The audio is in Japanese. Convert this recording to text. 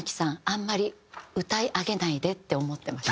あんまり歌い上げないでって思ってました。